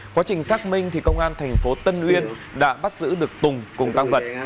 quá trình xác minh thì công an thành phố tân uyên đã bắt giữ được tùng cùng tăng vật